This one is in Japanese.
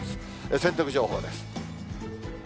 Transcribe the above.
洗濯情報です。